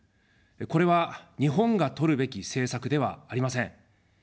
これは日本がとるべき政策ではありません。